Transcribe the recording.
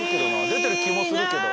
出てる気もするけど。